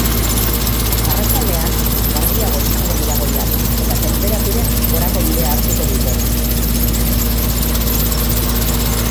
Arratsaldean, garbiago izango dira goiak, eta tenperaturek gorako bidea hartuko dute.